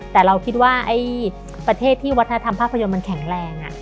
แต่เราคิดว่าประเทศที่วัฒนธรรมภาพยนตร์มันแข็งแรง